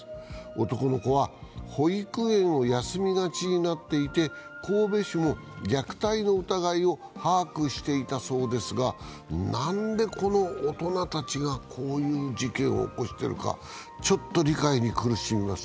男の子は保育園を休みがちになっていて、神戸市も虐待の疑いを把握していたそうですが、何でこの大人たちがこういう事件を起こしているか、ちょっと理解に苦しみます。